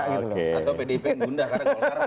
atau bdp gundah karena